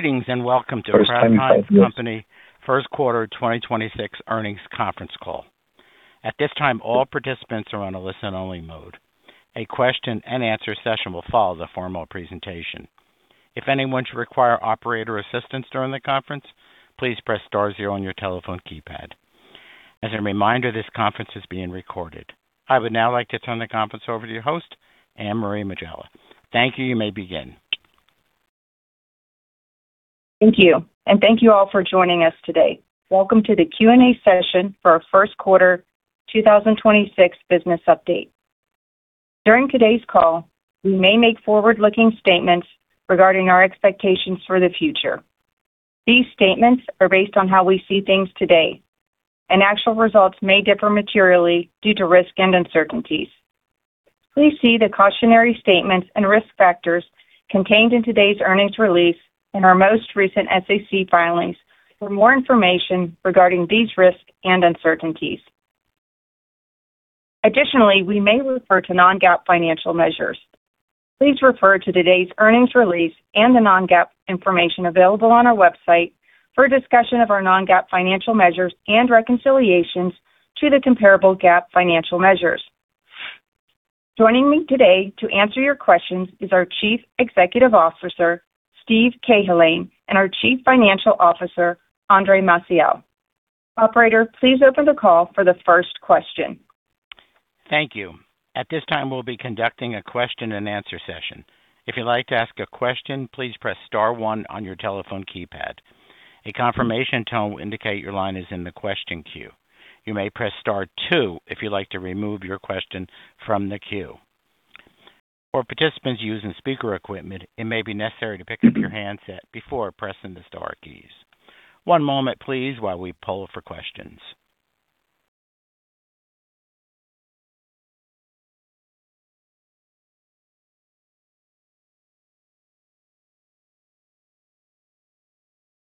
Greetings, and welcome to Kraft Heinz Company first quarter 2026 earnings conference call. At this time, all participants are on a listen-only mode. A question-and-answer session will follow the formal presentation. If anyone should require operator assistance during the conference, please press star zero on your telephone keypad. As a reminder, this conference is being recorded. I would now like to turn the conference over to your host, Anne-Marie Megela. Thank you. You may begin. Thank you. Thank you all for joining us today. Welcome to the Q&A session for our first quarter 2026 business update. During today's call, we may make forward-looking statements regarding our expectations for the future. These statements are based on how we see things today. Actual results may differ materially due to risk and uncertainties. Please see the cautionary statements and risk factors contained in today's earnings release and our most recent SEC filings for more information regarding these risks and uncertainties. Additionally, we may refer to non-GAAP financial measures. Please refer to today's earnings release and the non-GAAP information available on our website for a discussion of our non-GAAP financial measures and reconciliations to the comparable GAAP financial measures. Joining me today to answer your questions is our Chief Executive Officer, Steve Cahillane, and our Chief Financial Officer, Andre Maciel. Operator, please open the call for the first question. Thank you. At this time, we'll be conducting a question-and-answer session. If you'd like to ask a question, please press star one on your telephone keypad. A confirmation tone will indicate your line is in the question queue. You may press star two if you'd like to remove your question from the queue. For participants using speaker equipment, it may be necessary to pick up your handset before pressing the star keys. One moment please while we poll for questions.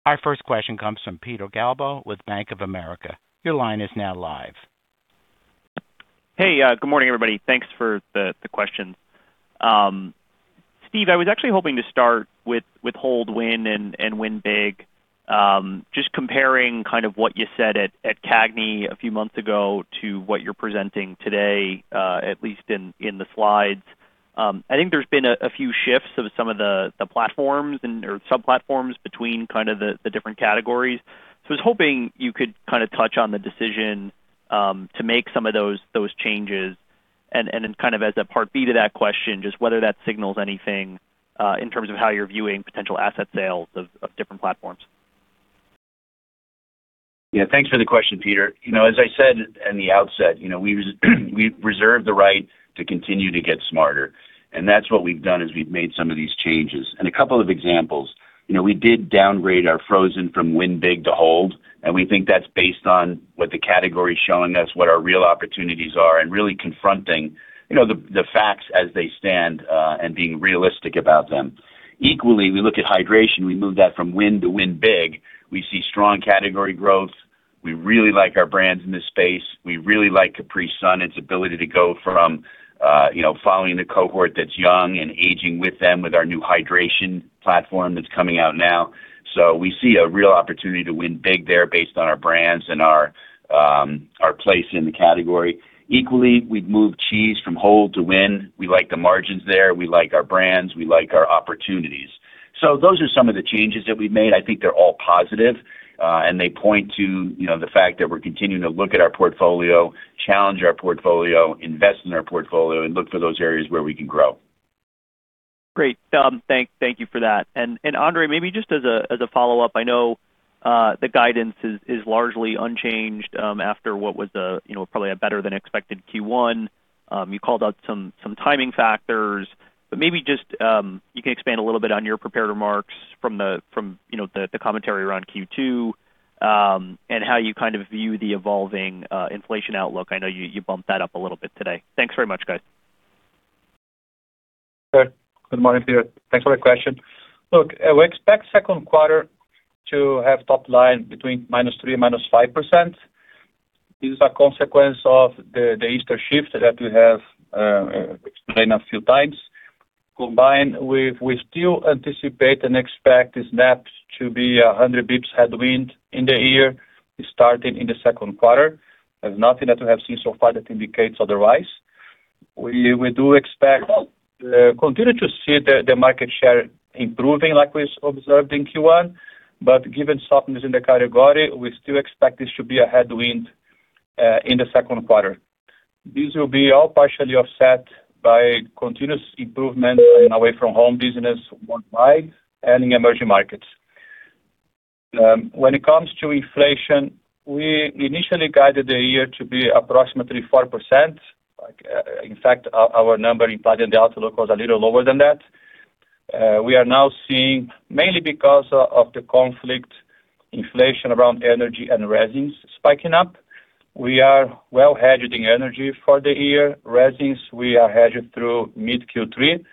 Our first question comes from Peter Galbo with Bank of America. Your line is now live. Hey, good morning, everybody. Thanks for the questions. Steve, I was actually hoping to start with Hold, Win, and Win Big. Just comparing kind of what you said at CAGNY a few months ago to what you're presenting today, at least in the slides. I think there's been a few shifts of some of the platforms and or sub-platforms between kind of the different categories. I was hoping you could kind of touch on the decision to make some of those changes. Kind of as a part B to that question, just whether that signals anything in terms of how you're viewing potential asset sales of different platforms. Yeah. Thanks for the question, Peter. You know, as I said in the outset, you know, we reserve the right to continue to get smarter, that's what we've done is we've made some of these changes. A couple of examples. You know, we did downgrade our frozen from Win Big to Hold, and we think that's based on what the category is showing us, what our real opportunities are and really confronting, you know, the facts as they stand, and being realistic about them. Equally, we look at hydration. We moved that from Win to Win Big. We see strong category growth. We really like our brands in this space. We really like Capri Sun, its ability to go from, you know, following the cohort that's young and aging with them with our new Hydration Platform that's coming out now. We see a real opportunity to win big there based on our brands and our place in the category. Equally, we've moved cheese from hold to win. We like the margins there. We like our brands. We like our opportunities. Those are some of the changes that we've made. I think they're all positive, and they point to, you know, the fact that we're continuing to look at our portfolio, challenge our portfolio, invest in our portfolio, and look for those areas where we can grow. Great. Thank you for that. Andre, maybe just as a follow-up, I know the guidance is largely unchanged after what was a, you know, probably a better than expected Q1. You called out some timing factors. Maybe just you can expand a little bit on your prepared remarks from the commentary around Q2, and how you kind of view the evolving inflation outlook. I know you bumped that up a little bit today. Thanks very much, guys. Sure. Good morning, Peter. Thanks for the question. Look, we expect second quarter to have top line between -3% and -5%. This is a consequence of the Easter shift that we have explained a few times. Combined with we still anticipate and expect the SNAP to be a 100 basis points headwind in the year, starting in the second quarter. There is nothing that we have seen so far that indicates otherwise. We do expect to continue to see the market share improving like we observed in Q1, but given softness in the category, we still expect this to be a headwind in the second quarter. This will be all partially offset by continuous improvement in away-from-home business worldwide and in emerging markets. When it comes to inflation, we initially guided the year to be approximately 4%. In fact, our number implied in the outlook was a little lower than that. We are now seeing, mainly because of the conflict, inflation around energy and resins spiking up. We are well hedged in energy for the year. Resins, we are hedged through mid Q3.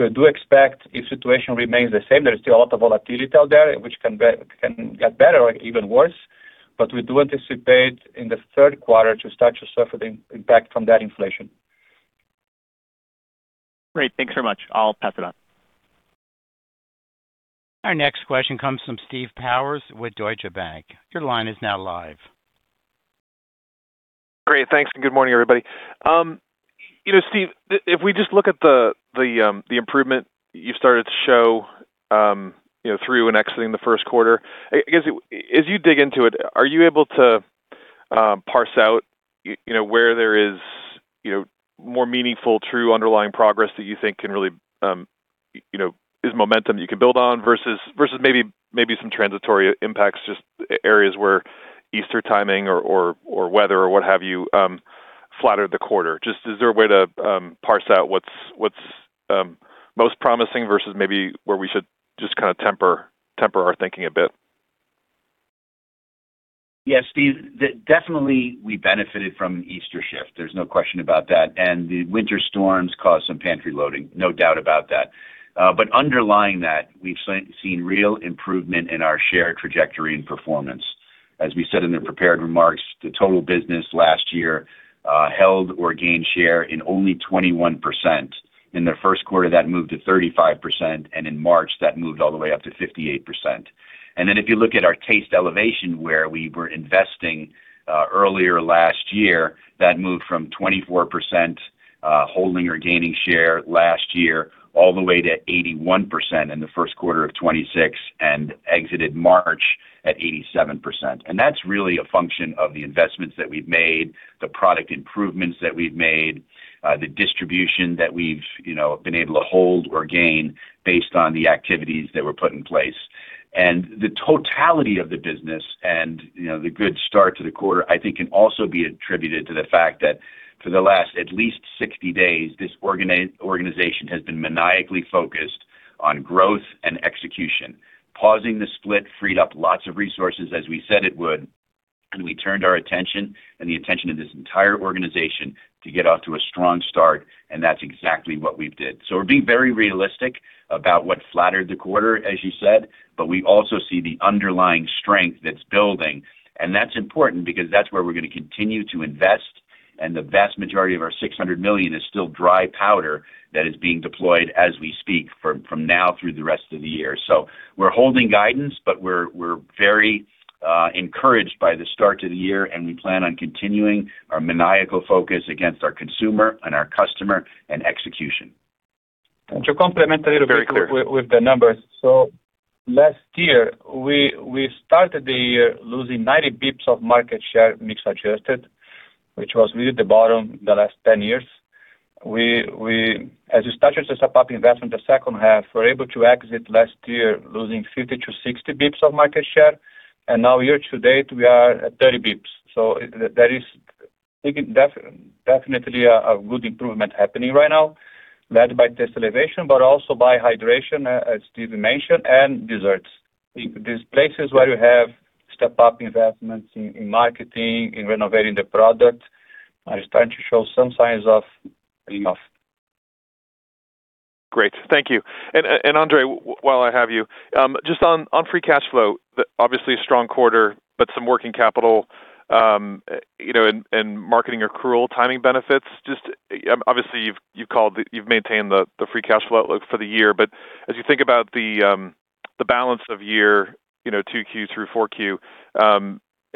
We do expect if situation remains the same, there's still a lot of volatility out there which can get better or even worse. We do anticipate in the third quarter to start to suffer the impact from that inflation. Great. Thanks so much. I will pass it on. Our next question comes from Steve Powers with Deutsche Bank. Your line is now live. Great. Thanks. Good morning, everybody. You know, Steve, if we just look at the improvement you started to show, you know, through and exiting the first quarter, I guess, as you dig into it, are you able to parse out, you know, where there is, you know, more meaningful, true underlying progress that you think can really, you know, is momentum you can build on versus maybe some transitory impacts, just areas where Easter timing or weather or what have you, flattered the quarter? Just is there a way to parse out what's most promising versus maybe where we should just kind of temper our thinking a bit? Yeah, Steve, definitely we benefited from Easter shift. There's no question about that. The winter storms caused some pantry loading, no doubt about that. Underlying that, we've seen real improvement in our share trajectory and performance. As we said in the prepared remarks, the total business last year held or gained share in only 21%. In the first quarter, that moved to 35%, and in March, that moved all the way up to 58%. If you look at our Taste Elevation, where we were investing earlier last year, that moved from 24% holding or gaining share last year all the way to 81% in the first quarter of 2026 and exited March at 87%. That's really a function of the investments that we've made, the product improvements that we've made, the distribution that we've, you know, been able to hold or gain based on the activities that were put in place. The totality of the business and, you know, the good start to the quarter, I think can also be attributed to the fact that for the last at least 60 days, this organization has been maniacally focused on growth and execution. Pausing the split freed up lots of resources, as we said it would, and we turned our attention and the attention of this entire organization to get off to a strong start, and that's exactly what we did. We're being very realistic about what flattered the quarter, as you said, but we also see the underlying strength that's building. That's important because that's where we're gonna continue to invest, and the vast majority of our $600 million is still dry powder that is being deployed as we speak from now through the rest of the year. We're holding guidance, but we're very encouraged by the start to the year, and we plan on continuing our maniacal focus against our consumer and our customer and execution. And to complement a little bit- Very clear. with the numbers. Last year, we started the year losing 90 basis points of market share, mix adjusted, which was really the bottom the last 10 years. We as you started to step up investment in the second half, we're able to exit last year losing 50-60 basis points of market share. Now year to date, we are at 30 basis points. That is, I think, definitely a good improvement happening right now, led by Taste Elevation, but also by hydration, as Steve mentioned, and desserts. These places where you have step-up investments in marketing, in renovating the product are starting to show some signs of payoff. Great. Thank you. Andre, while I have you, just on free cash flow, obviously a strong quarter, but some working capital, you know, and marketing accrual timing benefits. Obviously you've maintained the free cash flow outlook for the year. As you think about the balance of year, you know, 2Q through 4Q,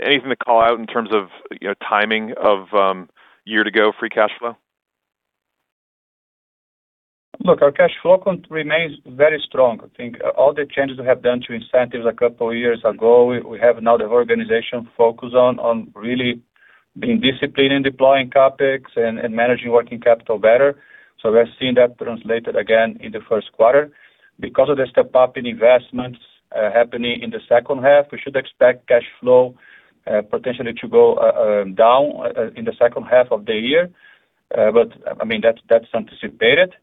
anything to call out in terms of, you know, timing of year to go free cash flow? Look, our cash flow remains very strong. I think all the changes we have done to incentives a couple years ago, we have now the organization focused on really being disciplined in deploying CapEx and managing working capital better. We're seeing that translated again in the first quarter. Because of the step-up in investments, happening in the second half, we should expect cash flow, potentially to go down in the second half of the year. I mean, that's anticipated.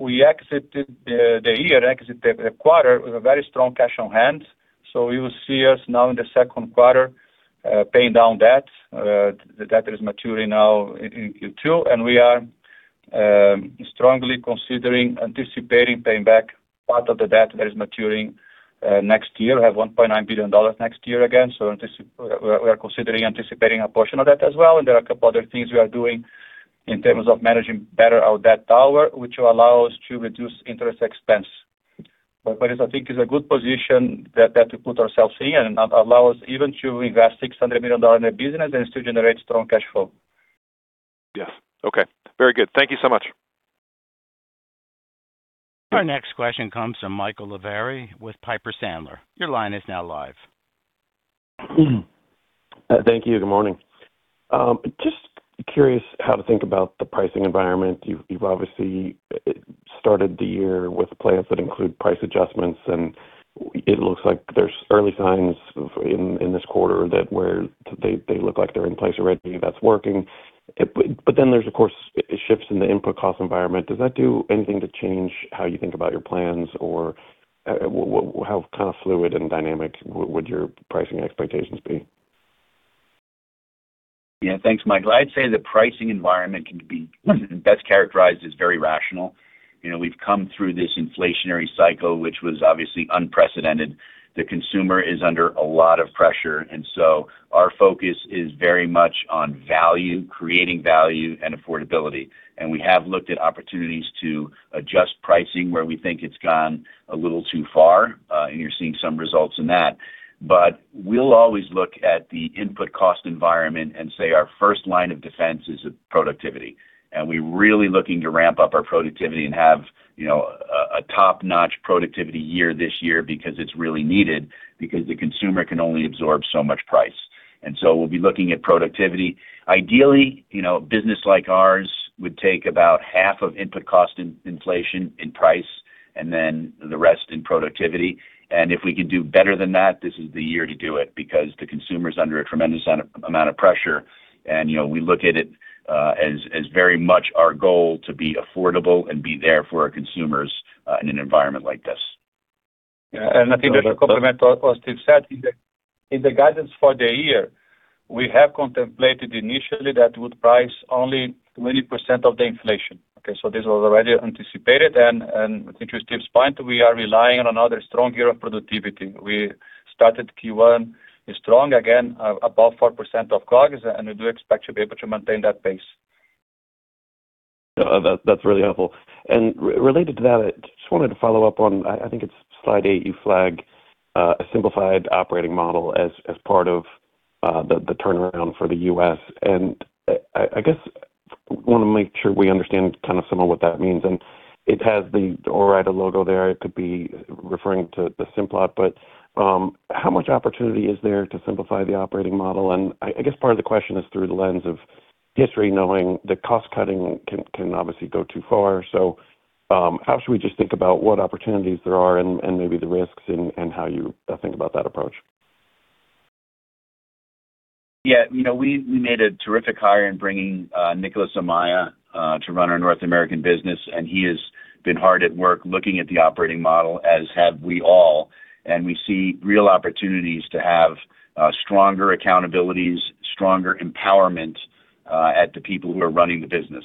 We exited the year, exited the quarter with a very strong cash on hand. You will see us now in the second quarter, paying down debt. The debt is maturing now in Q2, and we are strongly considering anticipating paying back part of the debt that is maturing next year. We have $1.9 billion next year again. We are considering anticipating a portion of that as well. There are a couple other things we are doing in terms of managing better our debt tower, which will allow us to reduce interest expense. I think it's a good position that we put ourselves in and allow us even to invest $600 million in the business and still generate strong cash flow. Yes. Okay. Very good. Thank you so much. Our next question comes from Michael Lavery with Piper Sandler. Your line is now live. Thank you. Good morning. Just curious how to think about the pricing environment. You've obviously started the year with plans that include price adjustments, and it looks like there's early signs of in this quarter that where they look like they're in place already. That's working. Then there's, of course, shifts in the input cost environment. Does that do anything to change how you think about your plans or how kind of fluid and dynamic would your pricing expectations be? Yeah, thanks, Michael. I'd say the pricing environment can be best characterized as very rational. You know, we've come through this inflationary cycle, which was obviously unprecedented. The consumer is under a lot of pressure, our focus is very much on value, creating value and affordability. We have looked at opportunities to adjust pricing where we think it's gone a little too far, and you're seeing some results in that. We'll always look at the input cost environment and say our first line of defense is productivity. We're really looking to ramp up our productivity and have, you know, a top-notch productivity year this year because it's really needed because the consumer can only absorb so much price. We'll be looking at productivity. Ideally, you know, business like ours would take about half of input cost in inflation in price and then the rest in productivity. If we can do better than that, this is the year to do it because the consumer is under a tremendous amount of pressure. You know, we look at it as very much our goal to be affordable and be there for our consumers in an environment like this. Yeah. I think to complement what Steve said, in the guidance for the year, we have contemplated initially that would price only 20% of the inflation. Okay, this was already anticipated. And to Steve's point, we are relying on another strong year of productivity. We started Q1 strong again, above 4% of COGS and we do expect to maintain that pace. That's very helpful. Related to that, I just wanted to follow up on, I think it's slide eight, you flagged a simplified operating model as part of the turnaround for the U.S. and I guess we want to make sure we understand, kind of, what that means and it has been, although right there it might be referring to the Simplot but how much opportunity is there to simplify the operating model. I guess part of the question is through the lens of history knowing that cost-cutting can obviously go too far. How should we think about what opportunities there are and maybe the risks and how you think about that approach? Yeah, we made a terrific hire in bringing Nicolas Amaya to run our North American business and he has been hard at work looking at the operating model as have we all and we see real opportunities to have stonger accountabilities, stronger empowerment at the people who are running the business.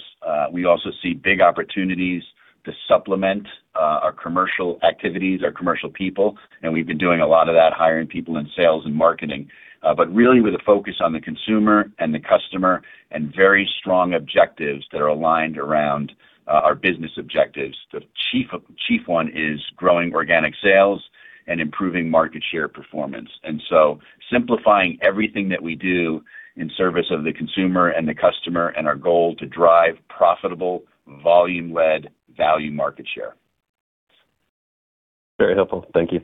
We also see big opportunities to supplement our commercial activities, our commercial people. We've been doing a lot of that, hiring people in sales and marketing. But really, where the focus is on the consumer, on the customer and very strong objectives that are aligned around our business objectives. The chief one is growing organic sales and improving market share performance. So simplifying everything that we do in service of the consumer and the customer and our goal to drive profitable volume-led value market share. Very helpful. Thank you.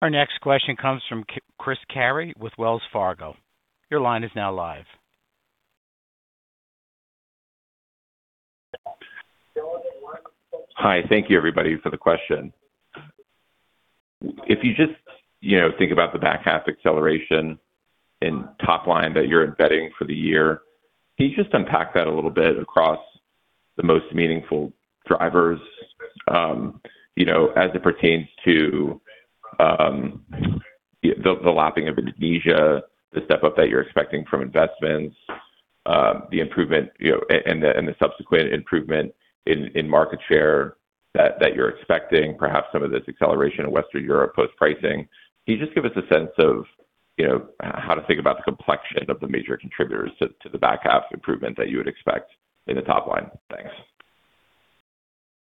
Our next question comes from Chris Carey with Wells Fargo. Your line is now live. Hi. Thank you everybody for the question. If you just, you know, think about the back half acceleration in top-line that you're embedding for the year, can you just unpack that a little bit across the most meaningful drivers, you know, as they pertain to the lapping of Indonesia, the step-up that you're expecting from investments, and the subsequent improvement in market share that you're expecting, perhaps some of this acceleration in Western Europe with pricing. Can you give us just a sense of, you know, how to think about the complexion of the major contributors to the back half improvement that you would expect in the top-line? Thanks.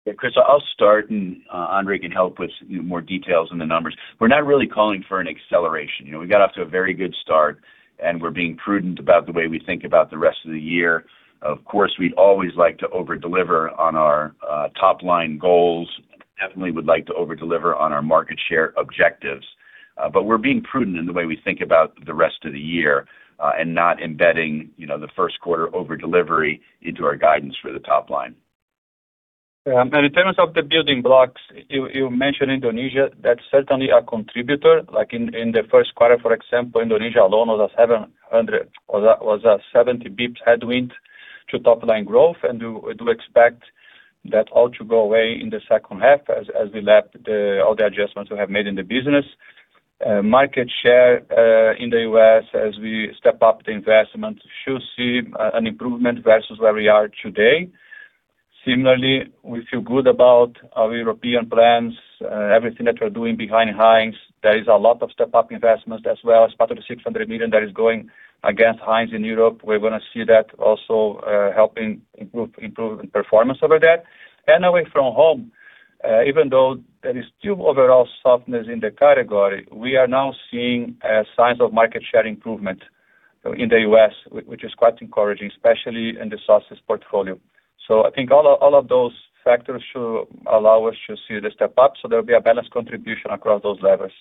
Yeah, Chris, I'll start and Andre can help with more details in the numbers. We're not really calling for an acceleration. You know, we got off to a very good start, and we're being prudent about the way we think about the rest of the year. Of course, we'd always like to overdeliver on our top-line goals. Definitely would like to overdeliver on our market share objectives. We're being prudent in the way we think about the rest of the year and not embedding, you know, the first quarter overdelivery into our guidance for the top line. In terms of the building blocks, you mentioned Indonesia, that's certainly a contributor. In the first quarter, for example, Indonesia alone was a 70 basis points headwind to top-line growth. We do expect that all to go away in the second half as we lap all the adjustments we have made in the business. Market share in the U.S. as we step up the investment should see an improvement versus where we are today. Similarly, we feel good about our European plans. Everything that we're doing behind Heinz, there is a lot of step-up investments as well as part of the $600 million that is going against Heinz in Europe. We're going to see that also helping improve performance over that. Away from home, even though there is still overall softness in the category, we are now seeing signs of market share improvement in the U.S., which is quite encouraging, especially in the sauces portfolio. I think all of those factors should allow us to see the step up. There will be a balanced contribution across those levers.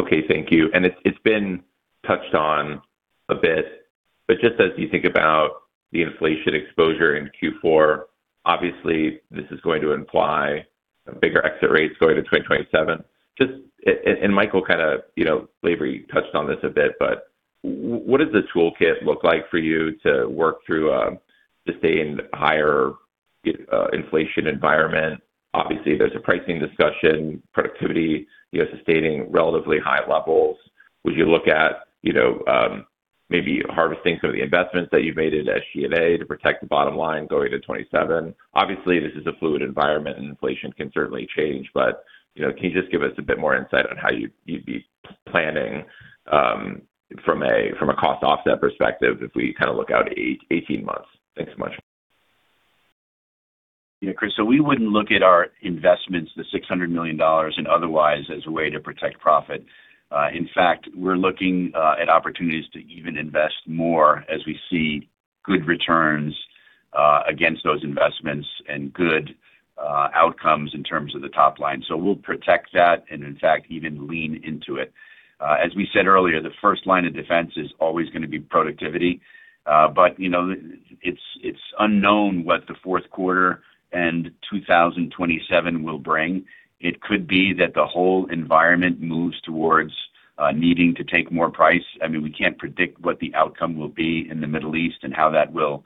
Okay. Thank you. It's been touched on a bit, just as you think about the inflation exposure in Q4, obviously, this is going to imply bigger exit rates going to 2027. Michael kind of, you know, touched on this a bit, what does the toolkit look like for you to work through sustained higher inflation environment. Obviously, there's a pricing discussion, productivity, you know, sustaining relatively high levels. Would you look at, you know, maybe harvesting some of the investments that you've made at SG&A to protect the bottom line going to 2027? Obviously, this is a fluid environment, inflation can certainly change, you know, can you just give us a bit more insight on how you'd be planning from a cost offset perspective if we kind of look out 18 months? Thanks so much. Yeah, Chris, we wouldn't look at our investments, the $600 million and otherwise as a way to protect profit. In fact, we're looking at opportunities to even invest more as we see good returns against those investments and good outcomes in terms of the top line. We'll protect that and in fact even lean into it. As we said earlier, the first line of defense is always gonna be productivity. You know, it's unknown what the fourth quarter and 2027 will bring. It could be that the whole environment moves towards needing to take more price. I mean, we can't predict what the outcome will be in the Middle East and how that will,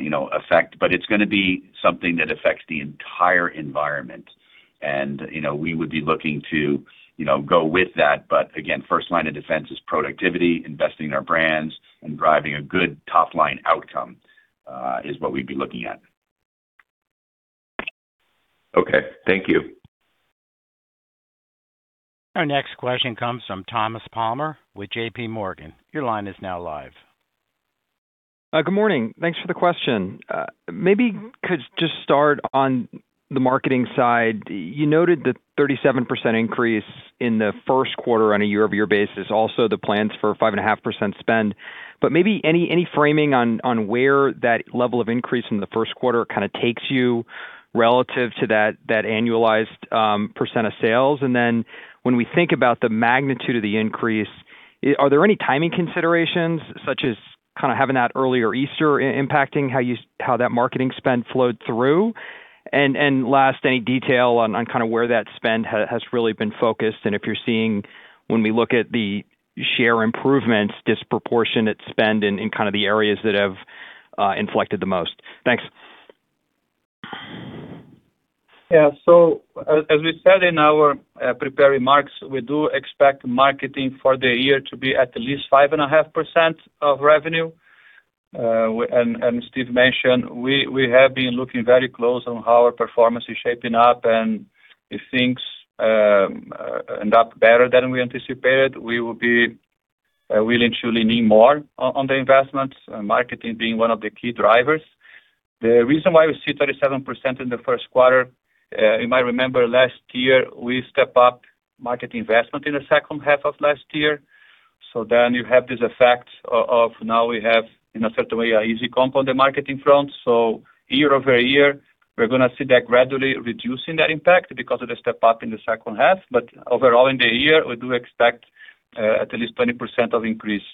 you know, affect, it's gonna be something that affects the entire environment. You know, we would be looking to, you know, go with that. Again, first line of defense is productivity, investing in our brands and driving a good top-line outcome, is what we'd be looking at. Okay. Thank you. Our next question comes from Thomas Palmer with JPMorgan. Your line is now live. Good morning. Thanks for the question. Maybe could just start on the marketing side. You noted the 37% increase in the first quarter on a YoY basis, also the plans for 5.5% spend, maybe any framing on where that level of increase in the first quarter kind of takes you relative to that annualized percent of sales. When we think about the magnitude of the increase, are there any timing considerations such as kind of having that earlier Easter impacting how that marketing spend flowed through? Last, any detail on kind of where that spend has really been focused, and if you're seeing, when we look at the share improvements, disproportionate spend in kind of the areas that have inflected the most. Thanks. As we said in our prepared remarks, we do expect marketing for the year to be at least 5.5% of revenue. Steve mentioned, we have been looking very close on how our performance is shaping up, and if things end up better than we anticipated, we will be willing to lean in more on the investments, marketing being one of the key drivers. The reason why we see 37% in the first quarter, you might remember last year, we step up market investment in the second half of last year. you have this effect of now we have, in a certain way, a easy comp on the marketing front. YoY, we're gonna see that gradually reducing that impact because of the step up in the second half. Overall in the year, we do expect at least 20% of increase.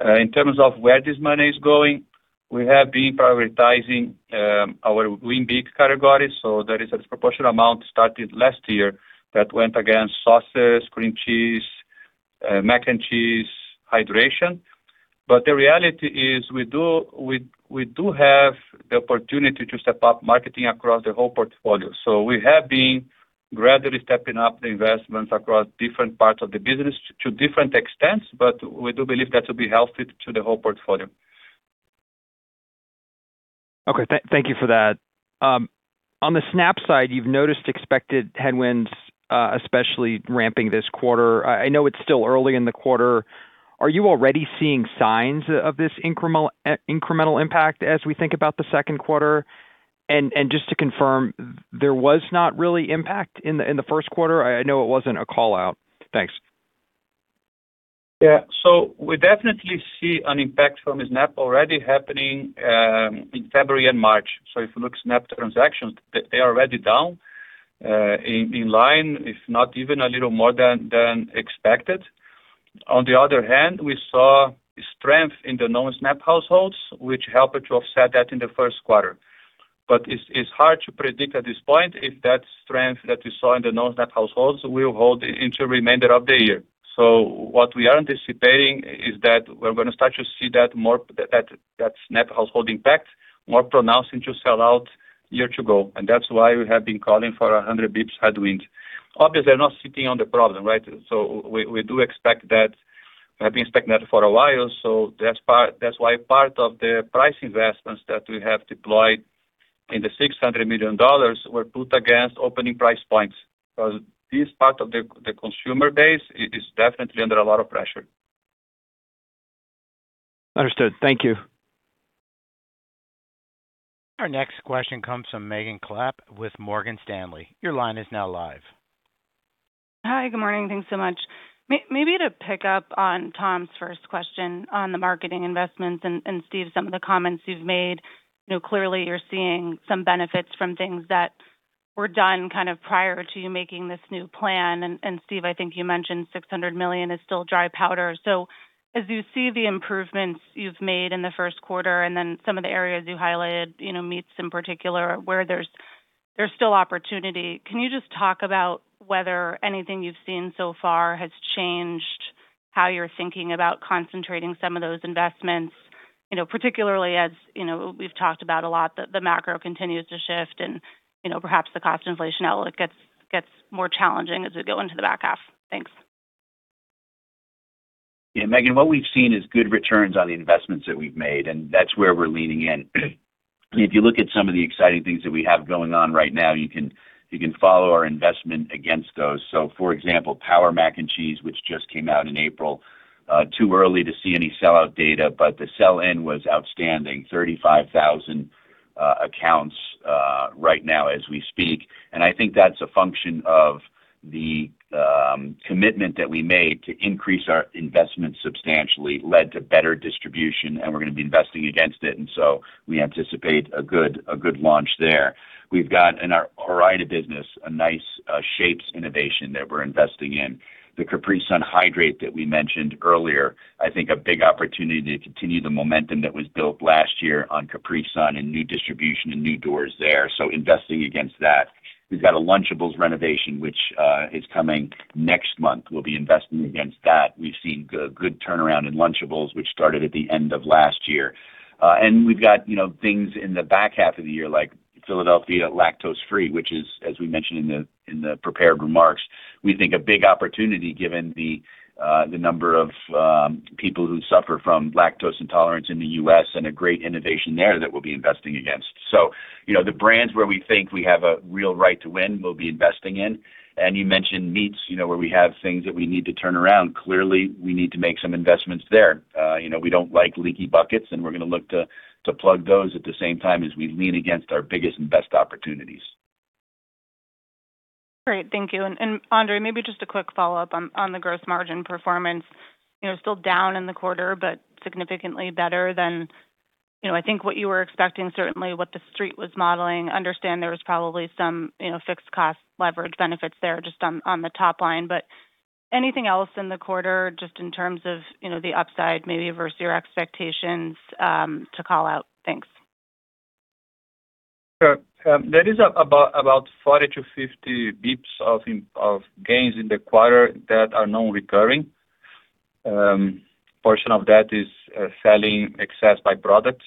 In terms of where this money is going, we have been prioritizing our win big categories. There is a disproportionate amount started last year that went against sauces, cream cheese, mac and cheese, hydration. The reality is we do have the opportunity to step up marketing across the whole portfolio. We have been gradually stepping up the investments across different parts of the business to different extents, but we do believe that will be helpful to the whole portfolio. Thank you for that. On the SNAP side, you've noticed expected headwinds, especially ramping this quarter. I know it's still early in the quarter. Are you already seeing signs of this incremental impact as we think about the second quarter? Just to confirm, there was not really impact in the first quarter? I know it wasn't a call-out. Thanks. We definitely see an impact from the SNAP already happening in February and March. If you look SNAP transactions, they are already down in line, if not even a little more than expected. On the other hand, we saw strength in the non-SNAP households, which helped to offset that in the first quarter. It's hard to predict at this point if that strength that we saw in the non-SNAP households will hold into remainder of the year. What we are anticipating is that we're gonna start to see that SNAP household impact more pronounced into sell out year to go. That's why we have been calling for a 100 basis points headwind. Obviously, they're not sitting on the problem, right? We do expect that. We have been expecting that for a while. That's why part of the price investments that we have deployed in the $600 million were put against opening price points. Because this part of the consumer base is definitely under a lot of pressure. Understood. Thank you. Our next question comes from Megan Clapp with Morgan Stanley. Your line is now live. Hi, good morning. Thanks so much. Maybe to pick up on Tom's first question on the marketing investments and Steve, some of the comments you've made. You know, clearly you're seeing some benefits from things that were done kind of prior to you making this new plan. And Steve, I think you mentioned $600 million is still dry powder. As you see the improvements you've made in the first quarter and then some of the areas you highlighted, you know, meats in particular where there's still opportunity. Can you just talk about whether anything you've seen so far has changed how you're thinking about concentrating some of those investments, you know, particularly as, you know, we've talked about a lot the macro continues to shift and, you know, perhaps the cost inflation outlet gets more challenging as we go into the back half. Thanks. Megan, what we've seen is good returns on the investments that we've made, and that's where we're leaning in. If you look at some of the exciting things that we have going on right now, you can follow our investment against those. For example, Power Mac & Cheese, which just came out in April, too early to see any sellout data, but the sell-in was outstanding. 35,000 accounts right now as we speak. I think that's a function of the commitment that we made to increase our investment substantially led to better distribution, and we're gonna be investing against it. We anticipate a good launch there. We've got in our varieties business, a nice shapes innovation that we're investing in. The Capri Sun Hydrate that we mentioned earlier, I think a big opportunity to continue the momentum that was built last year on Capri Sun and new distribution and new doors there, so investing against that. We've got a Lunchables renovation, which is coming next month. We'll be investing against that. We've seen good turnaround in Lunchables, which started at the end of last year. We've got, you know, things in the back half of the year like Philadelphia Lactose Free, which is, as we mentioned in the, in the prepared remarks, we think a big opportunity given the number of people who suffer from lactose intolerance in the U.S. and a great innovation there that we'll be investing against. You know, the brands where we think we have a real right to win, we'll be investing in. You mentioned meats, you know, where we have things that we need to turn around. Clearly, we need to make some investments there. You know, we don't like leaky buckets, and we're gonna look to plug those at the same time as we lean against our biggest and best opportunities. Great. Thank you. Andre, maybe just a quick follow-up on the gross margin performance. You know, still down in the quarter, significantly better than, you know, I think what you were expecting, certainly what the Street was modeling. Understand there was probably some, you know, fixed cost leverage benefits there just on the top line. Anything else in the quarter just in terms of, you know, the upside maybe versus your expectations to call out? Thanks. Sure. There is about 40-50 basis points of gains in the quarter that are non-recurring. Portion of that is selling excess byproducts.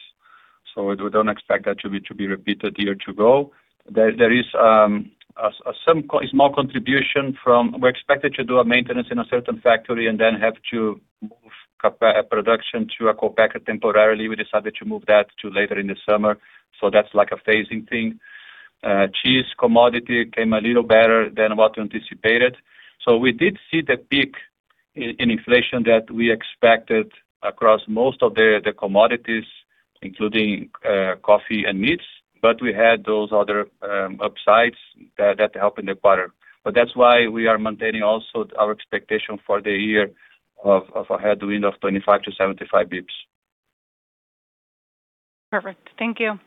We don't expect that to be repeated year to go. There is a small contribution from we expected to do a maintenance in a certain factory and then have to move a production to a co-packer temporarily. We decided to move that to later in the summer, that's like a phasing thing. Cheese commodity came a little better than what we anticipated. We did see the peak in inflation that we expected across most of the commodities, including coffee and meats, but we had those other upsides that help in the quarter. That's why we are maintaining also our expectation for the year of a headwind of 25-75 basis points. Perfect. Thank you.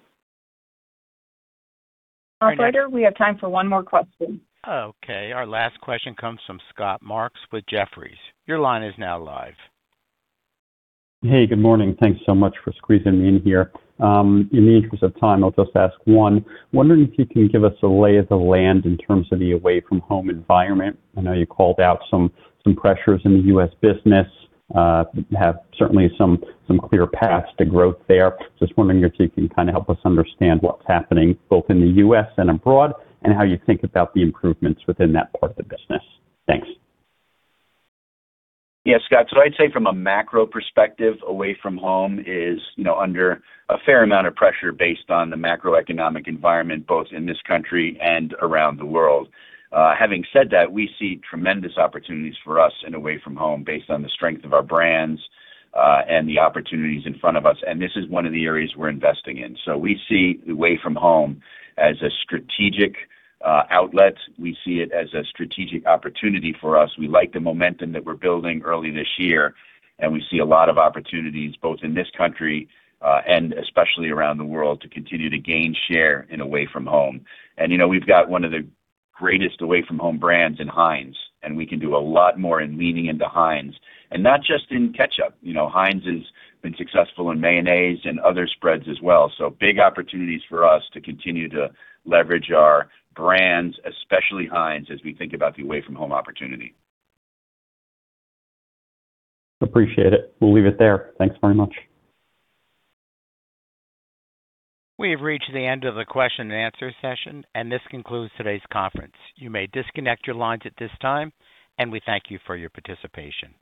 All right. Operator, we have time for one more question. Okay. Our last question comes from Scott Marks with Jefferies. Your line is now live. Hey, good morning. Thanks so much for squeezing me in here. In the interest of time, I'll just ask one. I'm wondering if you can give us a lay of the land in terms of the away from home environment. I know you called out some pressures in the U.S. business, have certainly some clear paths to growth there. I'm just wondering if you can kind of help us understand what's happening both in the U.S. and abroad, and how you think about the improvements within that part of the business. Thanks. Yeah, Scott. I'd say from a macro perspective, away from home is, you know, under a fair amount of pressure based on the macroeconomic environment, both in this country and around the world. Having said that, we see tremendous opportunities for us in away from home based on the strength of our brands, and the opportunities in front of us, and this is one of the areas we're investing in. We see away from home as a strategic outlet. We see it as a strategic opportunity for us. We like the momentum that we're building early this year, and we see a lot of opportunities both in this country, and especially around the world to continue to gain share in away from home. You know, we've got one of the greatest away from home brands in Heinz, and we can do a lot more in leaning into Heinz, and not just in ketchup. You know, Heinz has been successful in mayonnaise and other spreads as well. Big opportunities for us to continue to leverage our brands, especially Heinz, as we think about the away from home opportunity. Appreciate it. We'll leave it there. Thanks very much. We have reached the end of the question-and-answer session, and this concludes today's conference. You may disconnect your lines at this time, and we thank you for your participation.